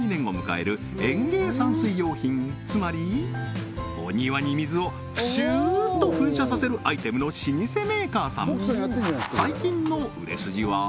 つまりお庭に水をプシューッと噴射させるアイテムの老舗メーカーさん